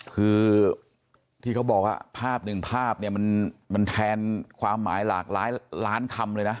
คือที่เขาบอกว่าภาพหนึ่งภาพเนี่ยมันแทนความหมายหลากหลายล้านคำเลยนะ